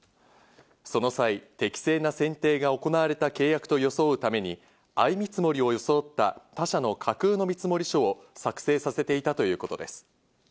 その際、適正な選定が行われた契約と装うために相見積もりを装った他社の架空の見積書を作成させていたということです。